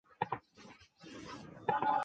郗恢人。